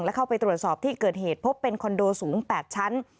และเข้าไปตรวจสอบที่เกิดเหตุพบเป็นคอนโดสูง๘ชั้น